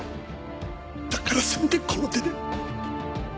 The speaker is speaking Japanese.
だからせめてこの手で！